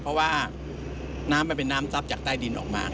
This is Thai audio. เพราะว่าน้ำมันเป็นน้ำซับจากใต้ดินออกมา